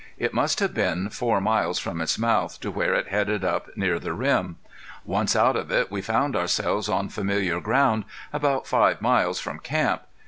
It must have been four miles from its mouth to where it headed up near the rim. Once out of it we found ourselves on familiar ground, about five miles from camp.